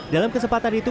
dalam kesempatan itu